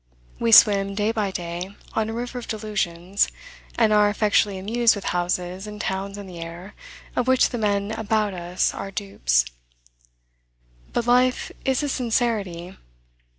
We swim, day by day, on a river of delusions, and are effectually amused with houses and towns in the air, of which the men about us are dupes. But life is a sincerity.